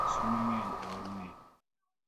Suna ngeny e od ni